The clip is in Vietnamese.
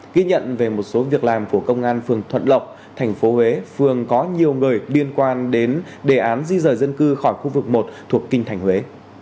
ghi nhận về một số việc làm của công an phường thuận lộc tp huế phường có nhiều người liên quan đến đề án di rời dân cư khỏi khu vực một thuộc kinh thành huế